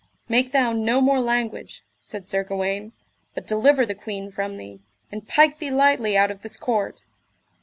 Make thou no more language, said Sir Gawaine, but deliver the queen from thee, and pike thee lightly out of this court.